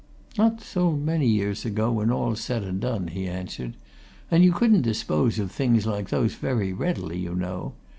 "Not so many years ago, when all's said and done," he answered. "And you couldn't dispose of things like those very readily, you know.